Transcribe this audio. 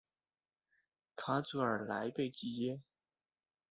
卡祖尔莱贝济耶。